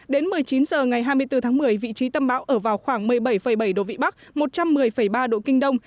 đến một mươi chín h ngày hai mươi bốn tháng một mươi vị trí tâm bão ở vào khoảng một mươi bảy bảy độ vĩ bắc một trăm một mươi ba độ kinh đông